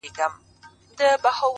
هوډ د سختیو په منځ کې ولاړ وي